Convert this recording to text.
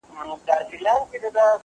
زه به کتابتوني کار کړي وي!!